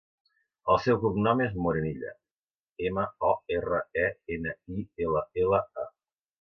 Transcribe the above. El seu cognom és Morenilla: ema, o, erra, e, ena, i, ela, ela, a.